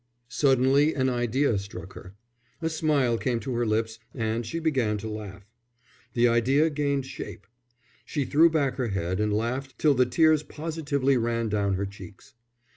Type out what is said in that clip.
Suddenly an idea struck her. A smile came to her lips and she began to laugh. The idea gained shape. She threw back her head and laughed till the tears positively ran down her cheeks.